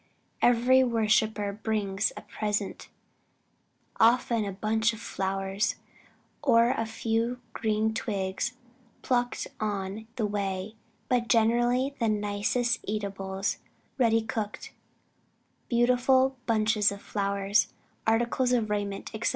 "Every worshipper brings a present, often a bunch of flowers or a few green twigs plucked on the way; but generally the nicest eatables ready cooked, beautiful bunches of flowers, articles of raiment, &c.